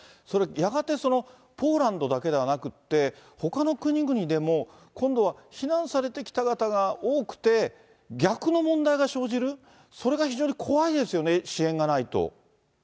それ、やがてポーランドだけではなくって、ほかの国々でも、今度は、避難されてきた方が多くて、逆の問題が生じる、それが非常に怖いですよね、支援がないと。